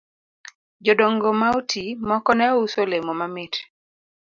Jodongo ma oti moko ne uso olemo mamit